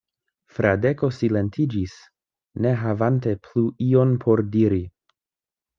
Fradeko silentiĝis, ne havante plu ion por diri.